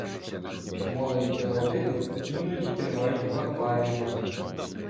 Молодь цього виду іноді тримають в акваріумах.